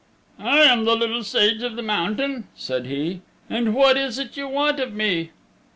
"I am the Little Sage of the Mountain," said he, "and what is it you want of me?"